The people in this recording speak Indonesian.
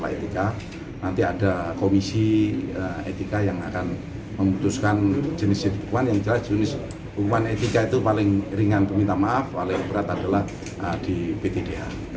etika itu paling ringan permintaan maaf paling berat adalah di pt dh